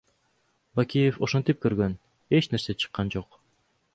Бакиев ошентип көргөн, эч нерсе чыккан жок.